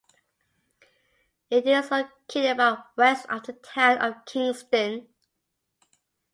It is located about west of the town of Kingston.